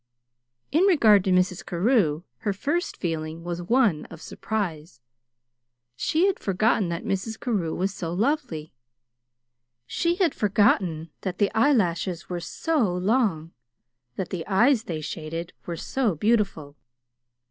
In regard to Mrs. Carew, her first feeling was one of surprise. She had forgotten that Mrs. Carew was so lovely. She had forgotten that the eyelashes were so long, that the eyes they shaded were so beautiful.